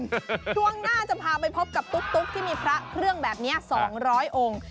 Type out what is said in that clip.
ช่วงหน้าจะพาไปพบกับตุ๊กที่มีพระเครื่องแบบนี้๒๐๐องค์